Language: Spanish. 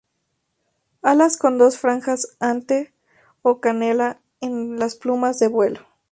Alas con dos franjas ante o canela en las plumas de vuelo.